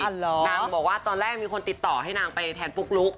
นางบอกว่าตอนแรกมีคนติดต่อให้นางไปแทนปุ๊กลุ๊ก